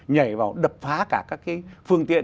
nhảy vào đập phá cả các phương tiện